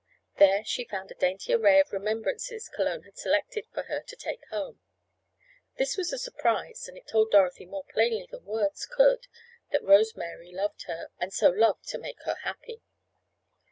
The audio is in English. There she found a dainty array of remembrances Cologne had selected for her to take home. This was a surprise and it told Dorothy more plainly than words could, that Rose Mary loved her, and so loved to make her happy.